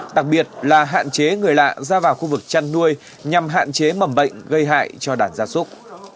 đặc biệt là hạn chế người lạ ra vào khu vực chăn nuôi nhằm hạn chế mầm bệnh gây hại cho đàn gia súc